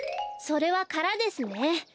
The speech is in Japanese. それはからですね。